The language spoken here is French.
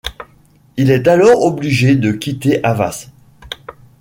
Il est alors obligé de quitter Havas.